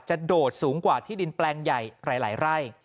โดดสูงกว่าที่ดินแปลงใหญ่หลายไร่